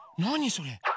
それ。